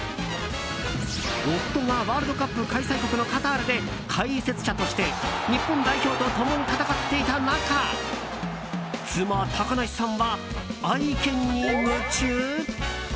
夫がワールドカップ開催国のカタールで解説者として日本代表と共に戦っていた中妻・高梨さんは愛犬に夢中。